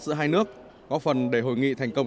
giữa hai nước góp phần để hội nghị thành công